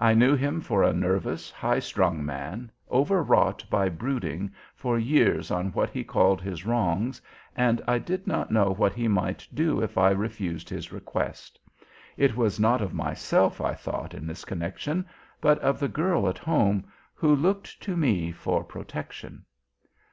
I knew him for a nervous, high strung man, overwrought by brooding for years on what he called his wrongs, and I did not know what he might do if I refused his request. It was not of myself I thought in this connection, but of the girl at home who looked to me for protection.